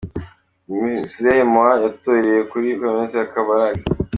Muzehe Moi yatoreye kuri kaminuza ya Kabarak.